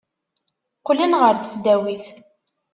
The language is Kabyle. Qqlen ɣer tesdawit.